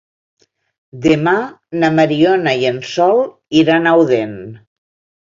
Demà na Mariona i en Sol iran a Odèn.